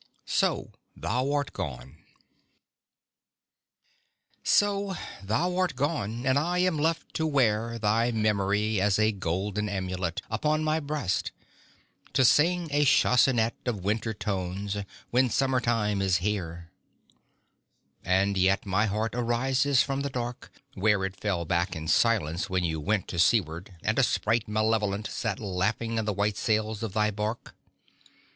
SO, THOU ART GONE So, thou art gone; and I am left to wear Thy memory as a golden amulet Upon my breast, to sing a chansonnette Of winter tones, when summer time is here. And yet, my heart arises from the dark, Where it fell back in silence when you went To seaward, and a sprite malevolent Sat laughing in the white sails of thy barque.